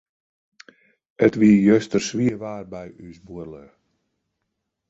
It wie juster swier waar by ús buorlju.